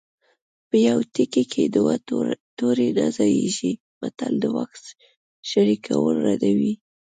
په یوه تیکي کې دوه تورې نه ځاییږي متل د واک شریکول ردوي